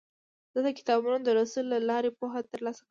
زه د کتابونو د لوستلو له لارې پوهه ترلاسه کوم.